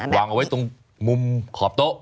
วางเอาไว้ตรงมุมขอบโต๊ะ